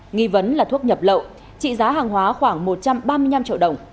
nghi vấn là thuốc nhập lậu trị giá hàng hóa khoảng một trăm ba mươi năm triệu đồng